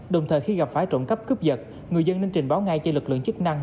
đồng thời khi gặp phải trộm cấp cướp vật người dân nên trình báo ngay cho lực lượng chức năng